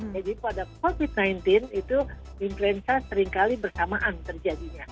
jadi pada covid sembilan belas itu influenza seringkali bersamaan terjadinya